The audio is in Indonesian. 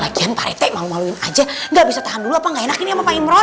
lagi an pak rt malu maluin aja gak bisa tahan dulu apa gak enak ini sama pak imron